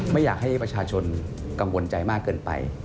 ไม่อยากให้ประชาชนกังวลใจมากเกินไป